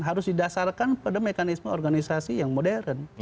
harus didasarkan pada mekanisme organisasi yang modern